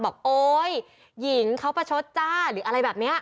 โอ๊ยหญิงเขาประชดจ้าหรืออะไรแบบนี้